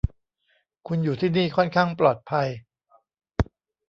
คุณอยู่ที่นี่ค่อนข้างปลอดภัย